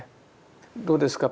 どうですか